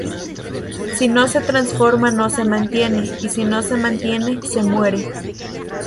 Si no se transforma no se mantiene, y si no se mantiene, se muere.